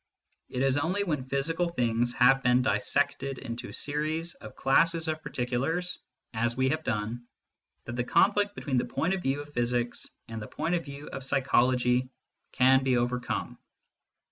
It is only when physical " things " have been dissected into series of classes of particulars, as we have done, that the conflict between the point of view of physics and the point of view of psychology can be overcome.